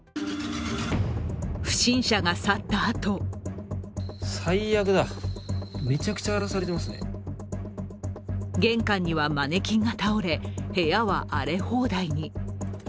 不審者が去ったあと玄関にはマネキンが倒れ部屋は荒れ放題に。